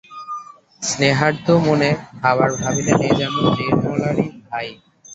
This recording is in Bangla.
স্নেহার্দ্র মনে আবার ভাবিলেন, এ যেন নির্মলারই ভাই।